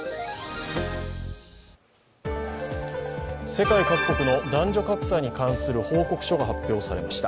世界各国の男女格差に関する報告書が発表されました。